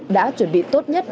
đã chuẩn bị tốt nhất